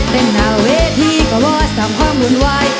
เป็นหาเวทีก็บอสทำความหมุนวาย